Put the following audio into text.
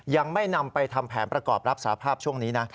ยังไม่นำไปทำแผนประกอบรับสาภาพช่วงนี้นะ